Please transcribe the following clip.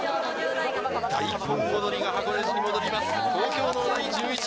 大根おどりが箱根路へ戻ります。